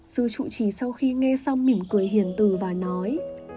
sư trụ trì sau khi nghe xong mỉm cười hiền từ và nói